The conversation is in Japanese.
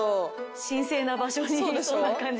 神聖な場所にいそうな感じ。